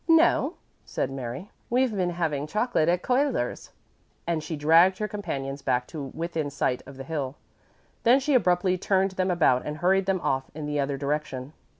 "No," said Mary, "we've been having chocolate at Cuyler's." And she dragged her companions back to within sight of the hill. Then she abruptly turned them about and hurried them off in the other direction.